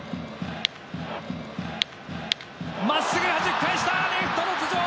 まっすぐ、はじき返したレフトの頭上！